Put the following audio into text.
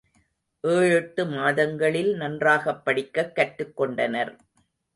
ஏழெட்டு மாதங்களில் நன்றாகப் படிக்கக் கற்று கொண்டனர்.